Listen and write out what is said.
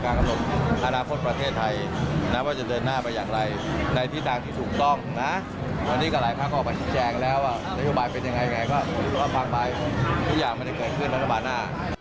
ก็อยู่รอบฟังไปทุกอย่างไม่ได้เกิดขึ้นแล้วในบ่ายหน้า